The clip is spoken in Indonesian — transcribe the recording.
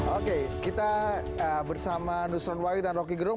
oke kita bersama nusron wawi dan rocky gerung